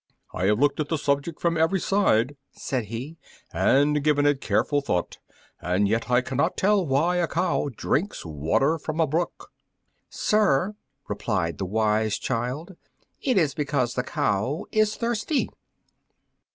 "I have looked at the subject from every side," said he, "and given it careful thought, and yet I cannot tell why a cow drinks water from a brook." "Sir," replied the wise child, "it is because the cow is thirsty."